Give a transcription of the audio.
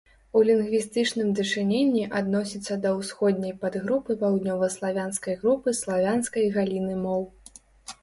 У лінгвістычным дачыненні адносіцца да ўсходняй падгрупы паўднёваславянскай групы славянскай галіны моў.